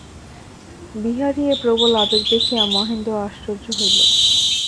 বিহারীর এই প্রবল আবেগ দেখিয়া মহেন্দ্র আশ্চর্য হইয়া গেল।